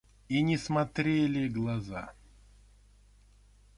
И не смотрели глаза.